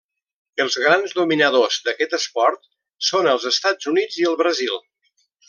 Els grans dominadors d'aquest esport són els Estats Units i el Brasil.